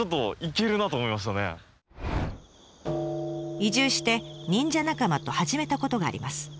移住して忍者仲間と始めたことがあります。